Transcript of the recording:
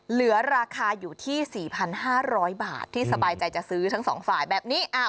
เหลือราคาอยู่ที่๔๕๐๐บาทที่สบายใจจะซื้อทั้งสองฝ่ายแบบนี้